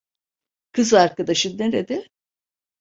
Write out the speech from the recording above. Kız arkadaşın nerede?